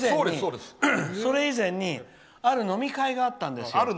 それ以前にある飲み会があったんですよ。